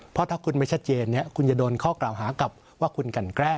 เพราะถ้าคุณไม่ชัดเจนคุณจะโดนข้อกล่าวหากับว่าคุณกันแกล้ง